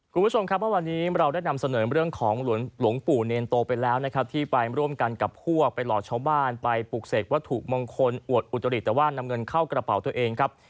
คุณผู้ชมครับว่าวันนี้เราได้นำเสนอเรื่องของหลวงปู่เนรโตไปแล้วนะครับที่ไปร่วมกันกับพวกไปหลอกชาวบ้านไปปลูกเสกวัตถุมงคลอวดอุตริแต่ว่านำเงินเข้ากระเป๋าตัวเองครับ